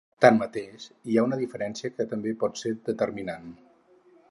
Tanmateix, hi ha una diferència que també pot ser determinant.